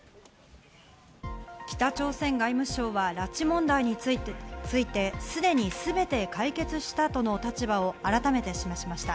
北朝鮮外務省は拉致問題について、すでに全て解決したとの立場を改めて示しました。